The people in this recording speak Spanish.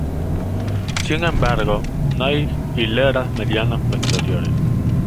Sin embargo, no hay hileras medianas posteriores.